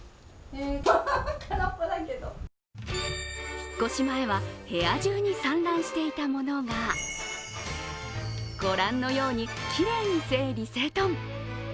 引っ越し前は部屋中に散乱していたものがご覧のように、きれいに整理整頓。